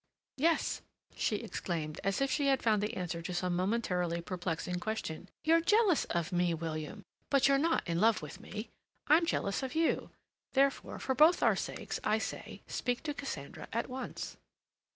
"Yes!" she exclaimed, as if she had found the answer to some momentarily perplexing question. "You're jealous of me, William; but you're not in love with me. I'm jealous of you. Therefore, for both our sakes, I say, speak to Cassandra at once."